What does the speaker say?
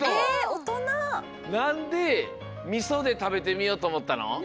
なんでみそでたべてみようとおもったの？